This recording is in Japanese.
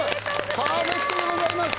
パーフェクトでございます！